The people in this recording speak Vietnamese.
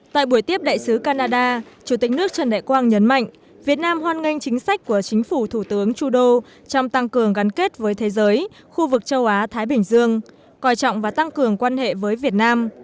tại buổi tiếp đại sứ canada chủ tịch nước trần đại quang nhấn mạnh việt nam hoan nghênh chính sách của chính phủ thủ tướng trudeau trong tăng cường gắn kết với thế giới khu vực châu á thái bình dương coi trọng và tăng cường quan hệ với việt nam